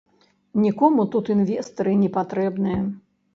Нікому тут інвестары не патрэбныя!